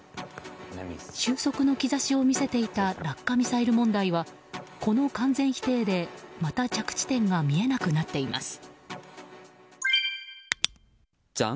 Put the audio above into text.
収束の兆しを見せていた落下ミサイル問題はこの完全否定で、また着地点が見えなくなっています。